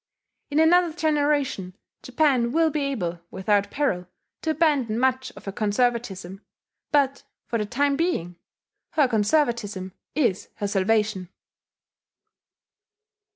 In another generation Japan will be able, without peril, to abandon much of her conservatism; but, for the time being, her conservatism is her salvation.